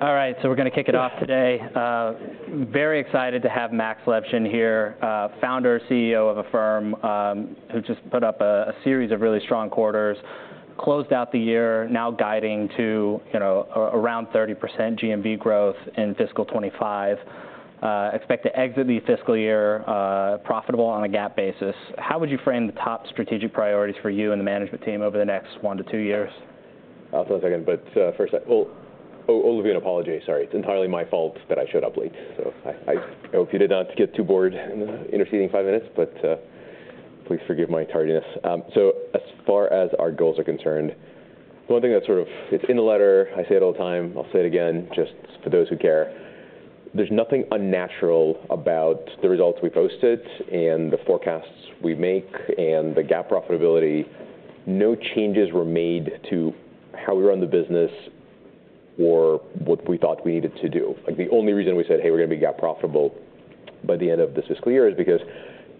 All right, so we're gonna kick it off today. Very excited to have Max Levchin here, founder, CEO of Affirm, who just put up a series of really strong quarters, closed out the year, now guiding to, you know, around 30% GMV growth in fiscal 2025. Expect to exit the fiscal year, profitable on a GAAP basis. How would you frame the top strategic priorities for you and the management team over the next one to two years? I'll talk in a second, but first I owe you an apology. Sorry, it's entirely my fault that I showed up late. So I hope you did not get too bored in the interceding five minutes, but please forgive my tardiness. So as far as our goals are concerned, the one thing that's sort of... It's in the letter, I say it all the time, I'll say it again just for those who care: There's nothing unnatural about the results we've posted and the forecasts we make and the GAAP profitability. No changes were made to how we run the business or what we thought we needed to do. Like, the only reason we said, "Hey, we're gonna be GAAP profitable by the end of this fiscal year," is because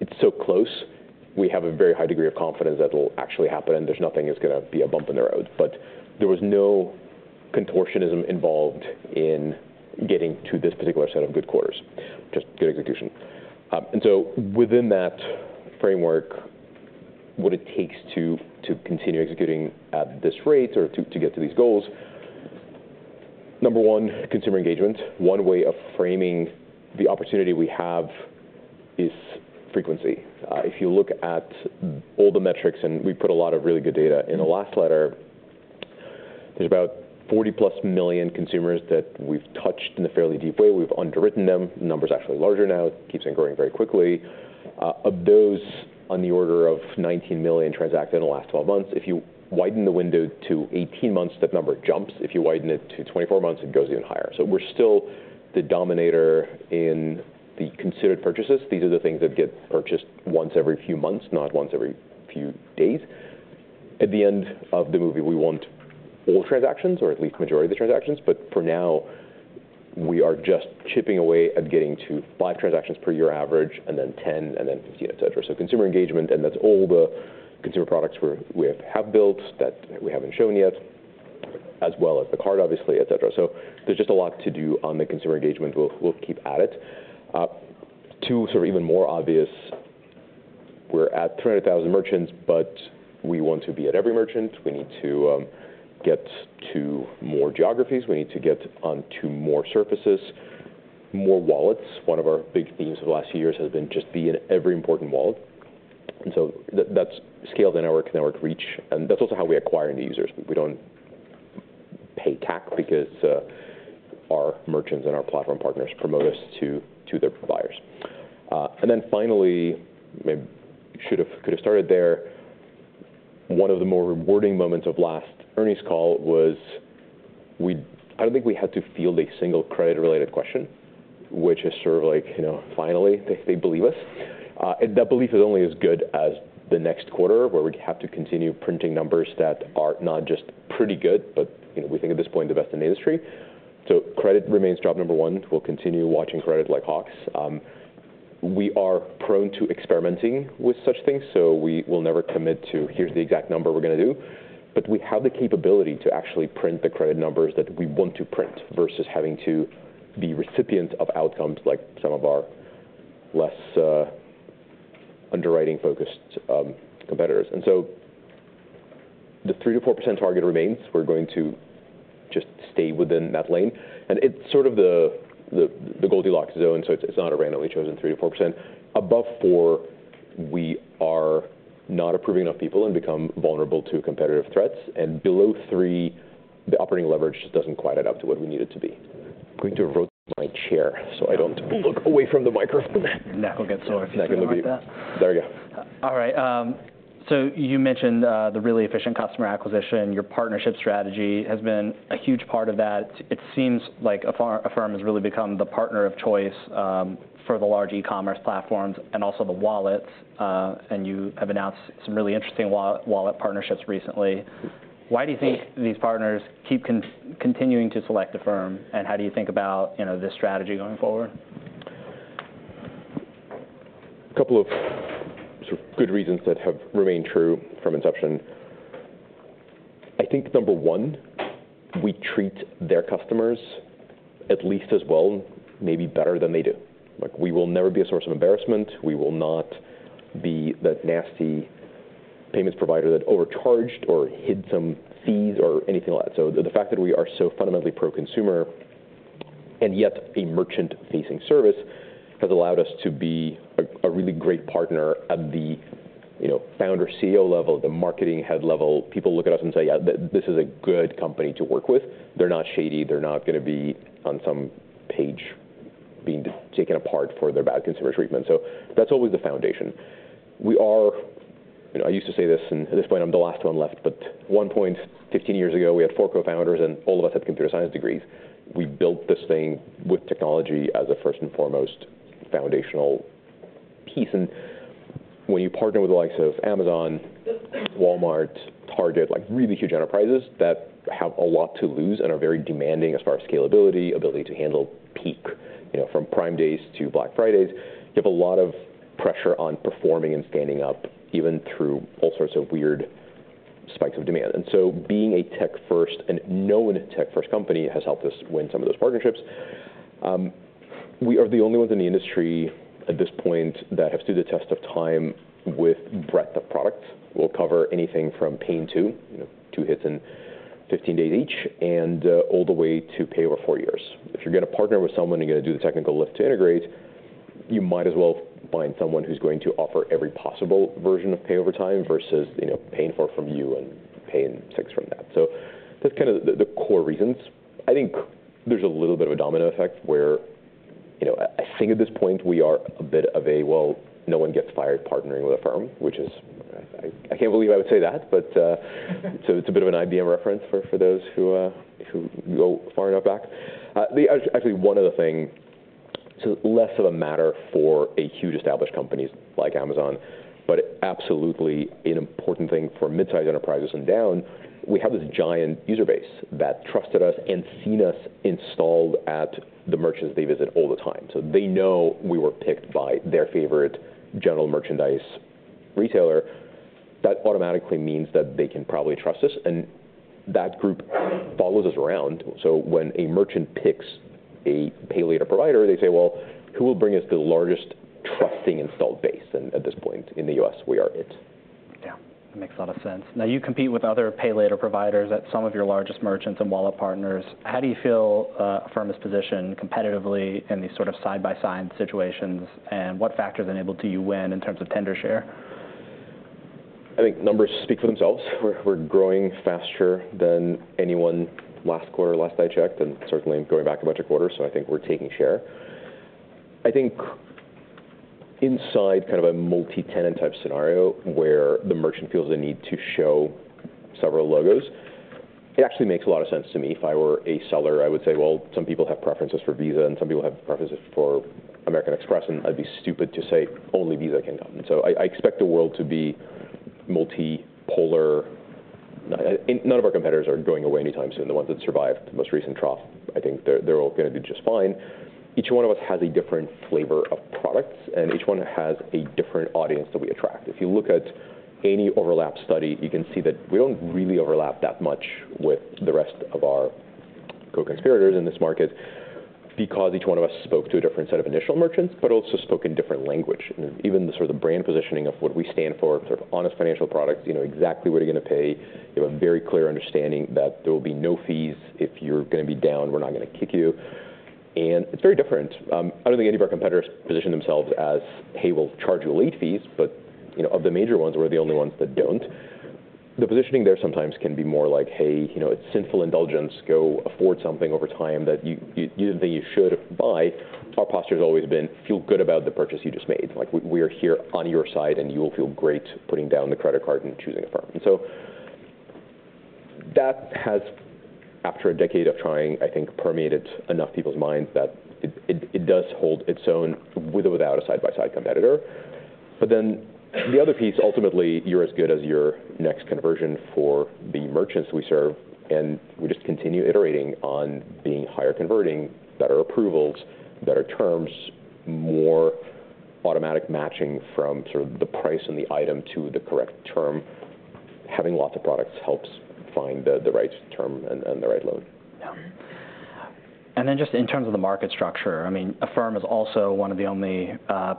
it's so close. We have a very high degree of confidence that it'll actually happen, and there's nothing that's gonna be a bump in the road. But there was no contortionism involved in getting to this particular set of good quarters, just good execution, and so within that framework, what it takes to continue executing at this rate or to get to these goals: number one, consumer engagement. One way of framing the opportunity we have is frequency. If you look at all the metrics, and we put a lot of really good data in the last letter, there's about 40+ million consumers that we've touched in a fairly deep way. We've underwritten them. The number's actually larger now. It keeps on growing very quickly. Of those, on the order of 19 million transacted in the last 12 months. If you widen the window to 18 months, that number jumps. If you widen it to 24 months, it goes even higher. So we're still the dominant in the considered purchases. These are the things that get purchased once every few months, not once every few days. At the end of the movie, we want all transactions or at least majority of the transactions, but for now, we are just chipping away at getting to five transactions per year average, and then 10, and then 15, et cetera. So consumer engagement, and that's all the consumer products we have built that we haven't shown yet, as well as the card, obviously, et cetera. So there's just a lot to do on the consumer engagement. We'll keep at it. Two sort of even more obvious, we're at 300,000 merchants, but we want to be at every merchant. We need to get to more geographies. We need to get onto more surfaces, more wallets. One of our big themes of the last few years has been just be in every important wallet, and so that's scaled the network reach, and that's also how we acquire new users. We don't pay tax because our merchants and our platform partners promote us to their providers. Then finally, maybe could have started there, one of the more rewarding moments of last earnings call was, I don't think we had to field a single credit-related question, which is sort of like, you know, finally, they believe us. And that belief is only as good as the next quarter, where we have to continue printing numbers that are not just pretty good, but, you know, we think at this point, the best in the industry. So credit remains job number one. We'll continue watching credit like hawks. We are prone to experimenting with such things, so we will never commit to, "Here's the exact number we're gonna do," but we have the capability to actually print the credit numbers that we want to print versus having to be recipient of outcomes like some of our less underwriting-focused competitors. And so the 3%-4% target remains. We're going to just stay within that lane, and it's sort of the Goldilocks zone, so it's not a randomly chosen 3%-4%. Above 4%, we are not approving enough people and become vulnerable to competitive threats, and below 3%, the operating leverage just doesn't quite add up to what we need it to be. I'm going to rotate my chair so I don't look away from the microphone. Your neck will get sore if you do it like that. There you go. All right, so you mentioned the really efficient customer acquisition. Your partnership strategy has been a huge part of that. It seems like Affirm has really become the partner of choice for the large e-commerce platforms and also the wallets, and you have announced some really interesting wallet partnerships recently. Why do you think these partners keep continuing to select Affirm, and how do you think about, you know, this strategy going forward? A couple of sort of good reasons that have remained true from inception. I think number one, we treat their customers at least as well, maybe better than they do. Like, we will never be a source of embarrassment. We will not be that nasty payments provider that overcharged or hid some fees or anything like that. So the fact that we are so fundamentally pro-consumer, and yet a merchant-facing service, has allowed us to be a really great partner at the, you know, founder, CEO level, the marketing head level. People look at us and say, "Yeah, this is a good company to work with. They're not shady. They're not gonna be on some page being taken apart for their bad consumer treatment." So that's always the foundation. We are... You know, I used to say this, and at this point, I'm the last one left, but at one point, 15 years ago, we had four co-founders, and all of us had computer science degrees. We built this thing with technology as a first and foremost foundational piece, and when you partner with the likes of Amazon, Walmart, Target, like really huge enterprises that have a lot to lose and are very demanding as far as scalability, ability to handle peak, you know, from Prime Days to Black Fridays, you have a lot of pressure on performing and standing up even through all sorts of weird spikes of demand. And so being a tech-first and known tech-first company has helped us win some of those partnerships. We are the only ones in the industry, at this point, that have stood the test of time with breadth of products. We'll cover anything from Pay in 2, you know, two hits and 15 days each, and all the way to pay over four years. If you're gonna partner with someone, and you're gonna do the technical lift to integrate, you might as well find someone who's going to offer every possible version of pay over time versus, you know, Pay in 4 from you and Pay in 6 from that. So that's kinda the core reasons. I think there's a little bit of a domino effect where, you know, I think at this point we are a bit of a well, no one gets fired partnering with Affirm, which is. I can't believe I would say that, but so it's a bit of an IBM reference for those who go far enough back. Actually one other thing, so less of a matter for a huge established companies like Amazon, but absolutely an important thing for mid-sized enterprises and down. We have this giant user base that trusted us and seen us installed at the merchants they visit all the time. So they know we were picked by their favorite general merchandise retailer. That automatically means that they can probably trust us, and that group follows us around. So when a merchant picks a pay later provider, they say, "Well, who will bring us the largest trusting installed base?" And at this point in the U.S., we are it. Yeah, that makes a lot of sense. Now, you compete with other pay later providers at some of your largest merchants and wallet partners. How do you feel, Affirm is positioned competitively in these sort of side-by-side situations, and what factor has enabled you to win in terms of tender share? I think numbers speak for themselves. We're growing faster than anyone last quarter, last I checked, and certainly going back a bunch of quarters, so I think we're taking share. I think inside kind of a multi-tenant type scenario, where the merchant feels the need to show several logos, it actually makes a lot of sense to me. If I were a seller, I would say, well, some people have preferences for Visa, and some people have preferences for American Express, and I'd be stupid to say only Visa can come. So I expect the world to be multipolar, and none of our competitors are going away anytime soon. The ones that survived the most recent trough, I think they're all gonna do just fine. Each one of us has a different flavor of products, and each one has a different audience that we attract. If you look at any overlap study, you can see that we don't really overlap that much with the rest of our co-conspirators in this market because each one of us spoke to a different set of initial merchants, but also spoke in different language. Even the sort of brand positioning of what we stand for, sort of honest financial products, you know exactly what you're gonna pay. You have a very clear understanding that there will be no fees. If you're gonna be down, we're not gonna kick you. And it's very different. I don't think any of our competitors position themselves as, "Hey, we'll charge you late fees," but, you know, of the major ones, we're the only ones that don't. The positioning there sometimes can be more like, "Hey, you know, it's sinful indulgence. Go afford something over time that you should buy." Our posture has always been: feel good about the purchase you just made. Like, we are here on your side, and you will feel great putting down the credit card and choosing Affirm, and so that has, after a decade of trying, I think, permeated enough people's minds that it does hold its own with or without a side-by-side competitor, but then the other piece, ultimately, you're as good as your next conversion for the merchants we serve, and we just continue iterating on being higher converting, better approvals, better terms, more automatic matching from sort of the price and the item to the correct term. Having lots of products helps find the right term and the right loan. Yeah. And then just in terms of the market structure, I mean, Affirm is also one of the only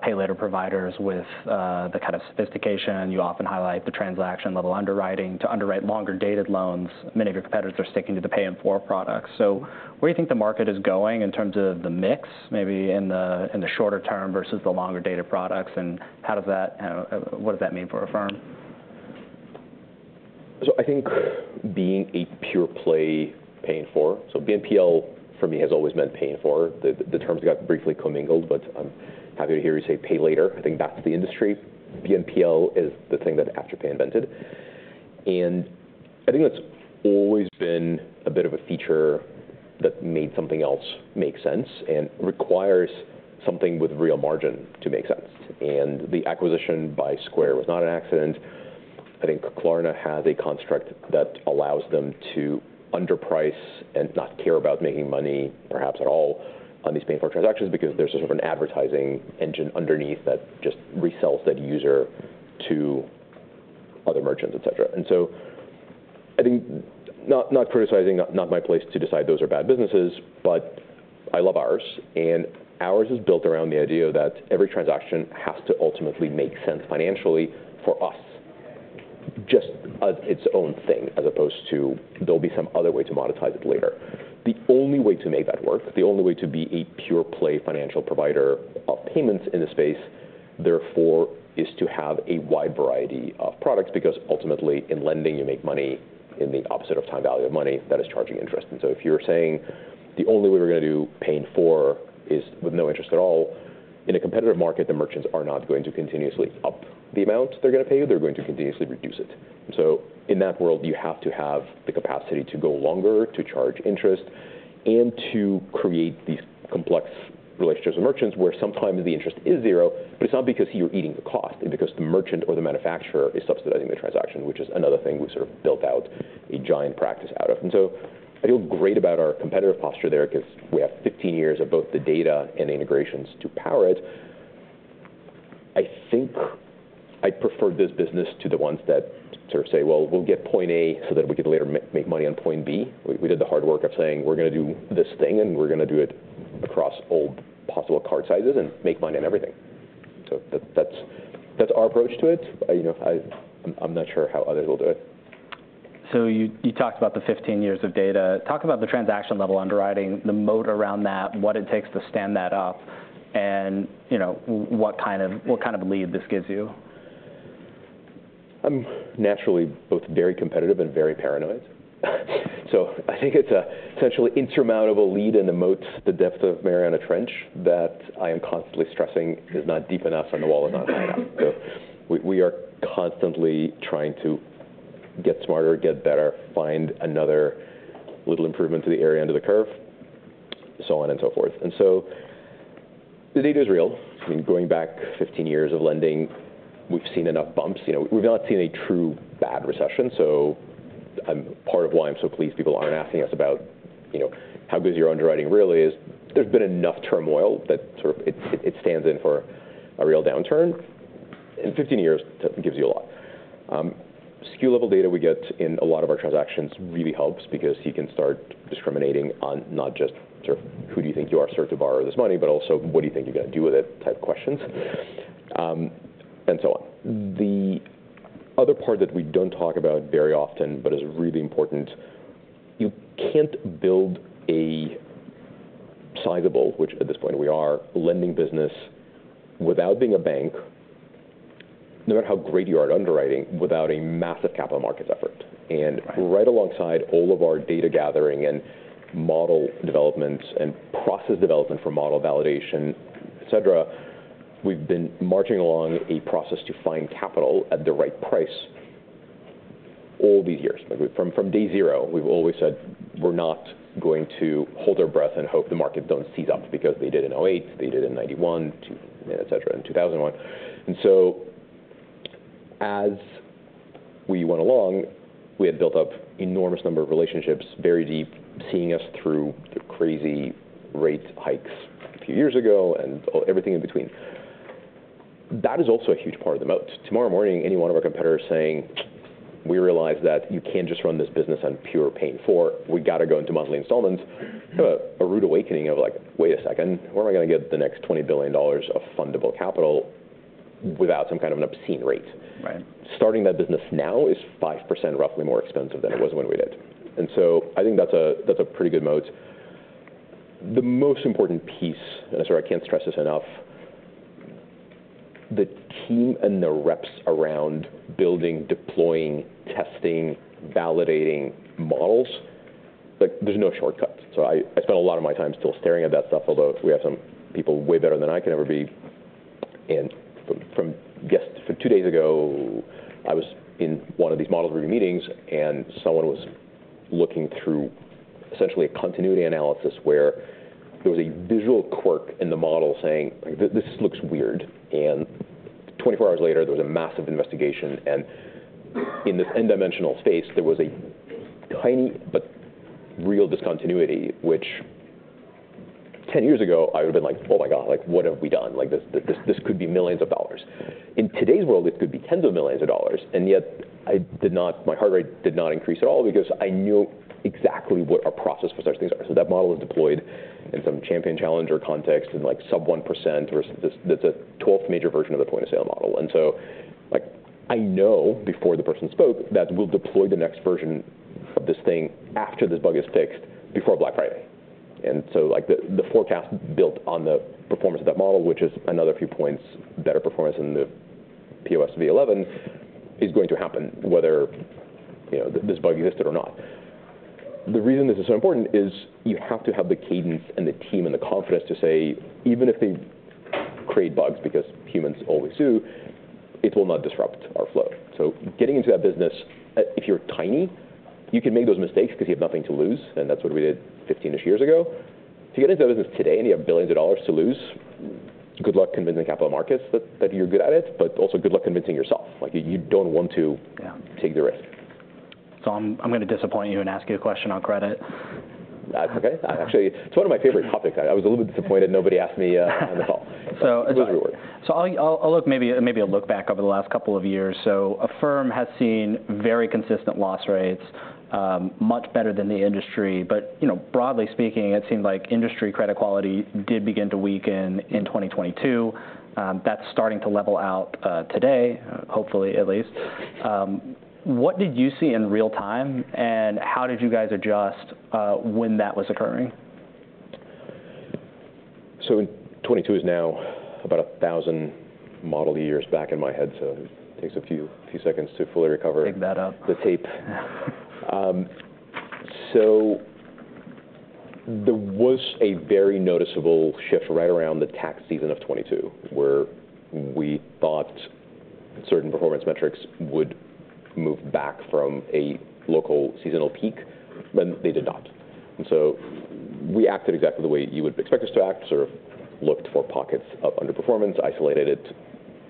pay later providers with the kind of sophistication you often highlight, the transaction-level underwriting to underwrite longer-dated loans. Many of your competitors are sticking to the Pay in 4 products. So where do you think the market is going in terms of the mix, maybe in the shorter term versus the longer-dated products, and how does that? What does that mean for Affirm? So I think being a pure play Pay in 4, so BNPL for me has always meant Pay in 4. The terms got briefly commingled, but I'm happy to hear you say pay later. I think that's the industry. BNPL is the thing that Afterpay invented, and I think that's always been a bit of a feature that made something else make sense and requires something with real margin to make sense. And the acquisition by Square was not an accident. I think Klarna has a construct that allows them to underprice and not care about making money, perhaps at all, on these Pay in 4 transactions because there's sort of an advertising engine underneath that just resells that user to other merchants, et cetera. And so I think, not, not criticizing, not my place to decide those are bad businesses, but I love ours, and ours is built around the idea that every transaction has to ultimately make sense financially for us, just as its own thing, as opposed to there'll be some other way to monetize it later. The only way to make that work, the only way to be a pure play financial provider of payments in the space, therefore, is to have a wide variety of products, because ultimately, in lending, you make money in the opposite of time value of money, that is charging interest. And so if you're saying the only way we're gonna do Pay in 4 is with no interest at all, in a competitive market, the merchants are not going to continuously up the amount they're gonna pay you, they're going to continuously reduce it. So in that world, you have to have the capacity to go longer, to charge interest, and to create these complex relationships with merchants, where sometimes the interest is zero, but it's not because you're eating the cost. It's because the merchant or the manufacturer is subsidizing the transaction, which is another thing we sort of built out a giant practice out of. And so I feel great about our competitive posture there because we have 15 years of both the data and the integrations to power it... I think I prefer this business to the ones that sort of say, "Well, we'll get point A so that we could later make money on point B." We did the hard work of saying, "We're gonna do this thing, and we're gonna do it across all possible card sizes and make money on everything." So that's our approach to it. You know, I'm not sure how others will do it. So you talked about the 15 years of data. Talk about the transaction-level underwriting, the moat around that, what it takes to stand that up, and, you know, what kind of lead this gives you. I'm naturally both very competitive and very paranoid. So I think it's an essentially insurmountable lead in the moat, the depth of Mariana Trench, that I am constantly stressing is not deep enough and the wall is not high enough. So we are constantly trying to get smarter, get better, find another little improvement to the area under the curve, so on and so forth. And so the data is real. I mean, going back 15 years of lending, we've seen enough bumps. You know, we've not seen a true bad recession, so part of why I'm so pleased people aren't asking us about, you know, how good your underwriting really is. There's been enough turmoil that sort of it stands in for a real downturn, and 15 years gives you a lot. SKU-level data we get in a lot of our transactions really helps because you can start discriminating on not just sort of who do you think you are, sir, to borrow this money, but also, what do you think you're gonna do with it, type questions, and so on. The other part that we don't talk about very often, but is really important, you can't build a sizable, which at this point we are, lending business without being a bank, no matter how great you are at underwriting, without a massive capital markets effort. Right. Right alongside all of our data gathering and model development and process development for model validation, et cetera, we've been marching along a process to find capital at the right price all these years. Like, from day zero, we've always said we're not going to hold our breath and hope the market don't seize up, because they did in 2008, they did in 1991... and et cetera, in 2001. And so as we went along, we had built up enormous number of relationships, very deep, seeing us through the crazy rate hikes a few years ago and all everything in between. That is also a huge part of the moat. Tomorrow morning, any one of our competitors saying, "We realize that you can't just run this business on pure Pay in 4. We've got to go into monthly installments," have a rude awakening of like, "Wait a second, where am I gonna get the next $20 billion of fundable capital without some kind of an obscene rate? Right. Starting that business now is 5% roughly more expensive than it was when we did, and so I think that's a pretty good moat. The most important piece, and I'm sorry, I can't stress this enough, the team and the reps around building, deploying, testing, validating models, like, there's no shortcuts, so I spend a lot of my time still staring at that stuff, although we have some people way better than I could ever be. And from just two days ago, I was in one of these model review meetings, and someone was looking through essentially a continuity analysis where there was a visual quirk in the model saying, "This looks weird." And 24 hours later, there was a massive investigation, and in this N-dimensional space, there was a tiny but real discontinuity, which 10 years ago I would've been like, "Oh, my God! Like, what have we done?" Like, this could be millions of dollars. In today's world, it could be tens of millions of dollars, and yet I did not, my heart rate did not increase at all because I knew exactly what our process for such things are. So that model is deployed in some champion-challenger context in, like, sub 1% versus this, that's a 12th major version of the point-of-sale model. And so, like, I know, before the person spoke, that we'll deploy the next version of this thing after this bug is fixed, before Black Friday. And so, like, the forecast built on the performance of that model, which is another few points better performance than the POS v11, is going to happen whether, you know, this bug existed or not. The reason this is so important is you have to have the cadence and the team and the confidence to say, even if they create bugs, because humans always do, it will not disrupt our flow. So getting into that business, if you're tiny, you can make those mistakes because you have nothing to lose, and that's what we did 15-ish years ago. To get into that business today, and you have billions of dollars to lose, good luck convincing capital markets that, that you're good at it, but also good luck convincing yourself. Like, you don't want to- Yeah.... Take the risk. So I'm gonna disappoint you and ask you a question on credit. That's okay. Actually, it's one of my favorite topics. I was a little bit disappointed nobody asked me on the call. So- But don't worry. So I'll look back over the last couple of years. So Affirm has seen very consistent loss rates, much better than the industry. But, you know, broadly speaking, it seemed like industry credit quality did begin to weaken in 2022. That's starting to level out today, hopefully, at least. What did you see in real time, and how did you guys adjust when that was occurring? 2022 is now about a thousand model years back in my head, so it takes a few seconds to fully recover. Take that up.... the tape. Yeah. So there was a very noticeable shift right around the tax season of 2022, where we thought certain performance metrics would move back from a local seasonal peak, and they did not. And so we acted exactly the way you would expect us to act, sort of looked for pockets of underperformance, isolated it,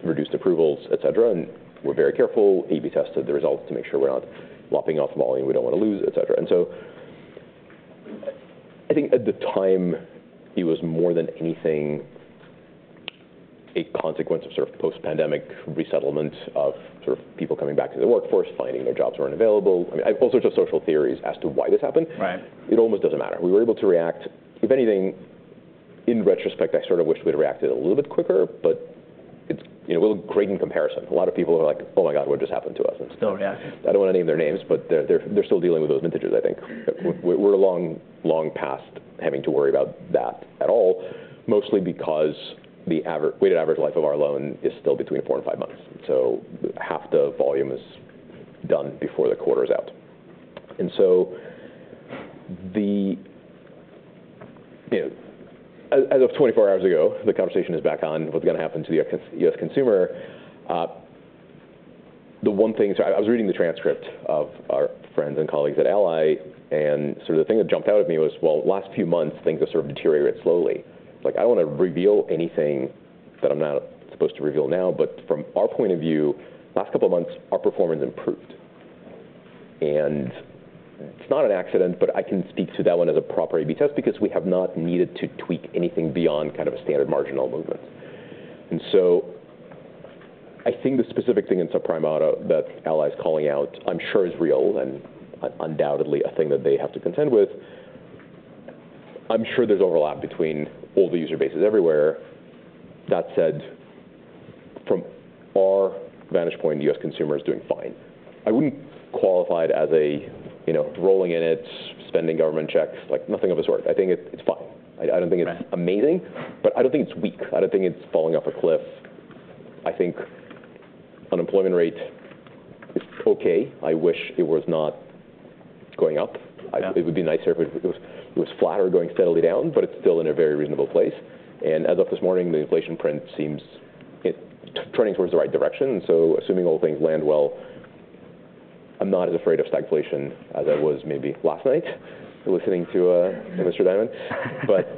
reduced approvals, et cetera, and we're very careful, A/B tested the results to make sure we're not lopping off volume we don't want to lose, et cetera. And so I think at the time, it was more than anything, a consequence of sort of post-pandemic resettlement of sort of people coming back to the workforce, finding their jobs weren't available. I mean, all sorts of social theories as to why this happened. Right. It almost doesn't matter. We were able to react. If anything, in retrospect, I sort of wish we'd reacted a little bit quicker, but it's, you know, we look great in comparison. A lot of people are like, "Oh, my God, what just happened to us? No reaction. I don't want to name their names, but they're still dealing with those vintages, I think. We're long, long past having to worry about that at all, mostly because the weighted average life of our loan is still between four and five months, so half the volume is done before the quarter is out. So you know, as of 24 hours ago, the conversation is back on what's gonna happen to the U.S. consumer. The one thing, so I was reading the transcript of our friends and colleagues at Ally, and sort of the thing that jumped out at me was, well, last few months, things have sort of deteriorated slowly. Like, I don't want to reveal anything that I'm not supposed to reveal now, but from our point of view, last couple of months, our performance improved. It's not an accident, but I can speak to that one as a proper A/B test because we have not needed to tweak anything beyond kind of a standard marginal movement. So I think the specific thing in subprime auto that Ally's calling out, I'm sure is real and undoubtedly a thing that they have to contend with. I'm sure there's overlap between all the user bases everywhere. That said, from our vantage point, the U.S. consumer is doing fine. I wouldn't qualify it as a, you know, rolling in it, spending government checks, like, nothing of the sort. I think it's fine. I don't think it's amazing, but I don't think it's weak. I don't think it's falling off a cliff. I think unemployment rate is okay. I wish it was not going up. Yeah. It would be nicer if it was, it was flatter, going steadily down, but it's still in a very reasonable place. As of this morning, the inflation print seems it's turning towards the right direction. Assuming all things land well, I'm not as afraid of stagflation as I was maybe last night, listening to Mr. Dimon. But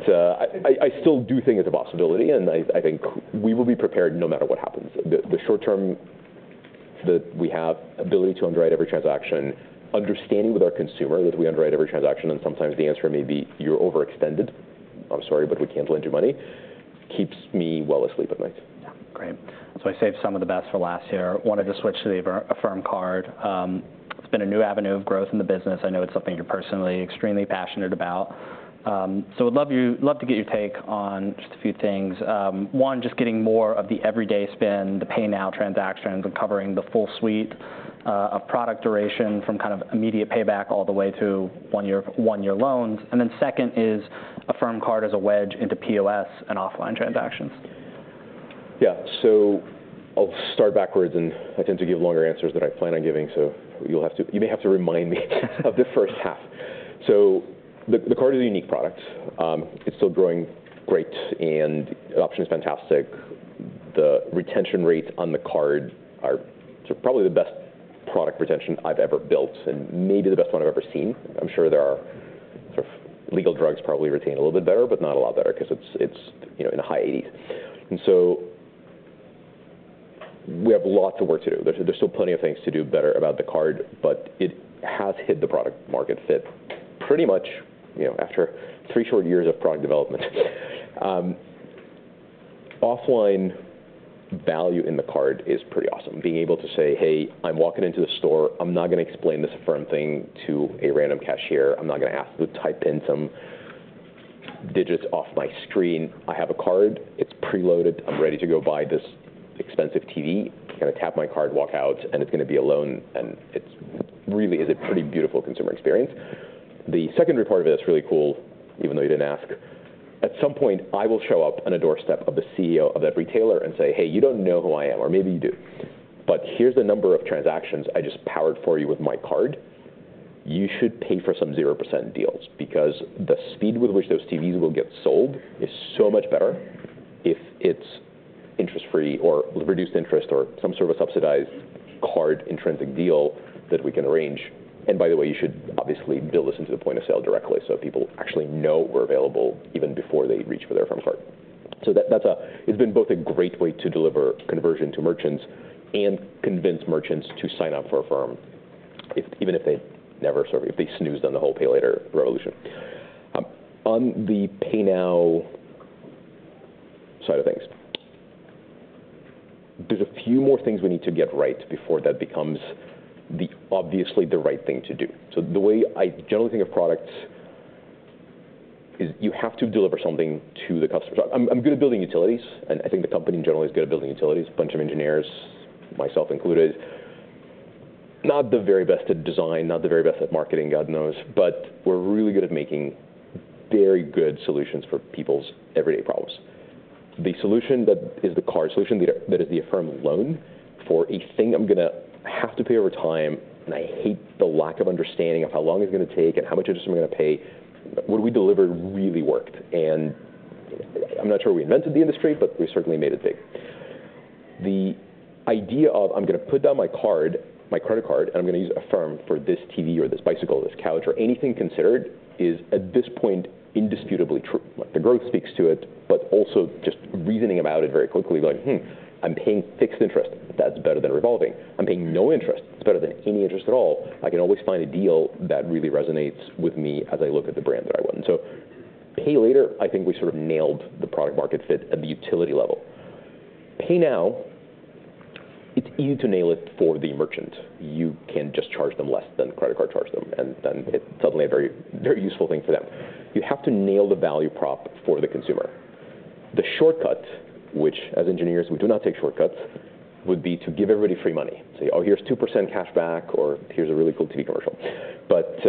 I still do think it's a possibility, and I think we will be prepared no matter what happens. The short-term ability that we have to underwrite every transaction, the understanding with our consumer that we underwrite every transaction, and sometimes the answer may be, "You're overextended. I'm sorry, but we can't lend you money," keeps me sleeping well at night. Yeah. Great. So I saved some of the best for last here. Wanted to switch to the Affirm Card. It's been a new avenue of growth in the business. I know it's something you're personally extremely passionate about. So would love to get your take on just a few things. One, just getting more of the everyday spend, the Pay Now transactions, and covering the full suite of product duration from kind of immediate payback all the way to one year, one-year loans. And then second is Affirm Card as a wedge into POS and offline transactions. Yeah. So I'll start backwards, and I tend to give longer answers than I plan on giving, so you'll have to, you may have to remind me of the first half. So the card is a unique product. It's still growing great, and adoption is fantastic. The retention rates on the card are probably the best product retention I've ever built, and maybe the best one I've ever seen. I'm sure there are sort of legal drugs probably retain a little bit better, but not a lot better, 'cause it's, you know, in the high 80s. And so we have lots of work to do. There's still plenty of things to do better about the card, but it has hit the product market fit pretty much, you know, after three short years of product development. Offline value in the card is pretty awesome. Being able to say, "Hey, I'm walking into the store. I'm not gonna explain this Affirm thing to a random cashier. I'm not gonna have to type in some digits off my screen. I have a card, it's preloaded, I'm ready to go buy this expensive TV. I'm gonna tap my card, walk out, and it's gonna be a loan," and it really is a pretty beautiful consumer experience. The secondary part of it that's really cool, even though you didn't ask, at some point, I will show up on a doorstep of the CEO of that retailer and say, "Hey, you don't know who I am, or maybe you do, but here's the number of transactions I just powered for you with my card. You should pay for some 0% deals, because the speed with which those TVs will get sold is so much better if it's interest-free or reduced interest or some sort of a subsidized card intrinsic deal that we can arrange. And by the way, you should obviously build this into the point of sale directly, so people actually know we're available even before they reach for their Affirm Card." It's been both a great way to deliver conversion to merchants and convince merchants to sign up for Affirm, even if they never sort of snoozed on the whole pay later revolution. On the Pay Now side of things, there's a few more things we need to get right before that becomes obviously the right thing to do. So the way I generally think of products is you have to deliver something to the customer. I'm good at building utilities, and I think the company in general is good at building utilities. A bunch of engineers, myself included, not the very best at design, not the very best at marketing, God knows, but we're really good at making very good solutions for people's everyday problems. The solution that is the card solution, that is the Affirm loan for a thing I'm gonna have to pay over time, and I hate the lack of understanding of how long it's gonna take and how much interest I'm gonna pay, what we delivered really worked. And I'm not sure we invented the industry, but we certainly made it big. The idea of I'm gonna put down my card, my credit card, and I'm gonna use Affirm for this TV or this bicycle, this couch or anything considered, is at this point indisputably true. Like, the growth speaks to it, but also just reasoning about it very quickly, like, "Hmm, I'm paying fixed interest. That's better than revolving. I'm paying no interest. It's better than any interest at all. I can always find a deal that really resonates with me as I look at the brand that I want." So, Pay Later, I think we sort of nailed the product market fit at the utility level. Pay Now, it's easy to nail it for the merchant. You can just charge them less than the credit card charged them, and then it's suddenly a very, very useful thing for them. You have to nail the value prop for the consumer. The shortcut, which as engineers, we do not take shortcuts, would be to give everybody free money. Say, "Oh, here's 2% cash back," or, "Here's a really cool TV commercial." But,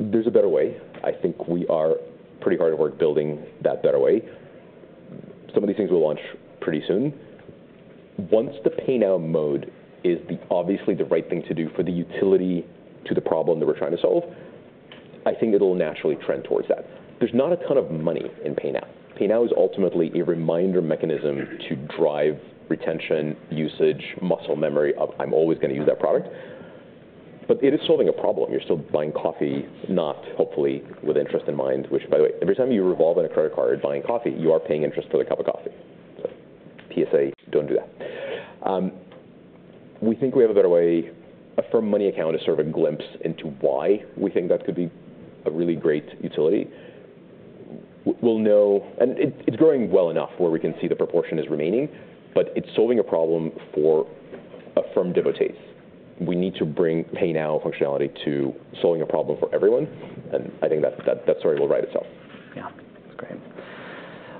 there's a better way. I think we are pretty hard at work building that better way. Some of these things will launch pretty soon. Once the Pay Now mode is obviously the right thing to do for the utility to the problem that we're trying to solve, I think it'll naturally trend towards that. There's not a ton of money in Pay Now. Pay Now is ultimately a reminder mechanism to drive retention, usage, muscle memory of, "I'm always gonna use that product," but it is solving a problem. You're still buying coffee, not hopefully with interest in mind, which, by the way, every time you revolve on a credit card buying coffee, you are paying interest for the cup of coffee. So PSA, don't do that. We think we have a better way. Affirm Money account is sort of a glimpse into why we think that could be a really great utility. And it, it's growing well enough where we can see the proportion is remaining, but it's solving a problem for Affirm devotees. We need to bring Pay Now functionality to solving a problem for everyone, and I think that, that story will write itself. Yeah. That's great.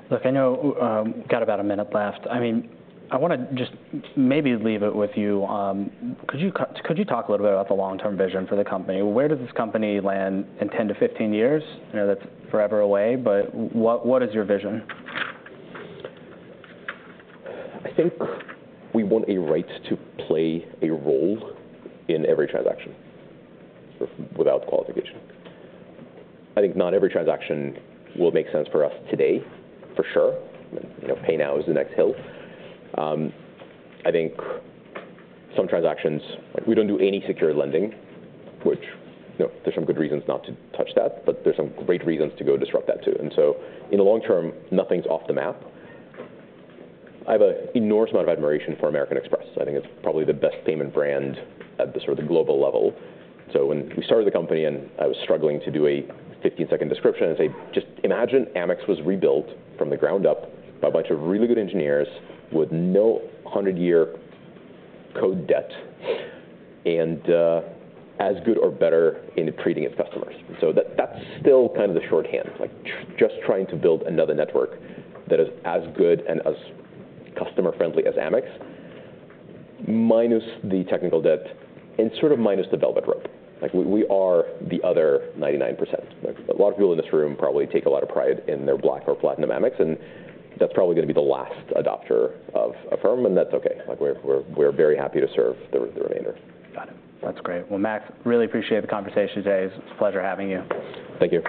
Look, I know got about a minute left. I mean, I wanna just maybe leave it with you. Could you talk a little bit about the long-term vision for the company? Where does this company land in 10-15 years? I know that's forever away, but what is your vision? I think we want a right to play a role in every transaction, without qualification. I think not every transaction will make sense for us today, for sure. You know, Pay Now is the next hill. I think some transactions. We don't do any secured lending, which, you know, there's some good reasons not to touch that, but there's some great reasons to go disrupt that, too. And so in the long term, nothing's off the map. I have an enormous amount of admiration for American Express. I think it's probably the best payment brand at the sort of global level. So when we started the company and I was struggling to do a 15-second description, I'd say, "Just imagine Amex was rebuilt from the ground up by a bunch of really good engineers with no hundred-year code debt and as good or better in treating its customers." So that, that's still kind of the shorthand, like, just trying to build another network that is as good and as customer-friendly as Amex, minus the technical debt and sort of minus the velvet rope. Like, we are the other 99%. Like, a lot of people in this room probably take a lot of pride in their Black or Platinum Amex, and that's probably gonna be the last adopter of Affirm, and that's okay. Like, we're very happy to serve the remainder. Got it. That's great. Well, Max, really appreciate the conversation today. It's a pleasure having you. Thank you.